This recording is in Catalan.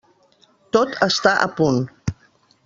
Tot està a punt.